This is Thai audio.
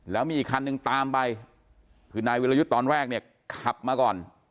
แล้วมีอีกคันนึงตามไปคือนายวิรยุทธ์ตอนแรกเนี่ยขับมาก่อน